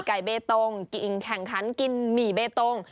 ไก่เบตตงแข่งขันกินหมี่เบตตง